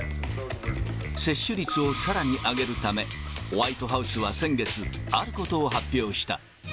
接種率をさらに上げるため、ホワイトハウスは先月、あることを発表した。